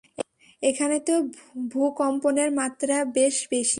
এখানে তো ভূকম্পনের মাত্রা বেশ বেশি।